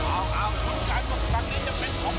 ในใต้ออกตรงมี๑๐เท่ากัน